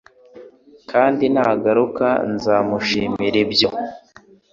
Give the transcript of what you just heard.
kandi nagaruka nza mushimira ibyo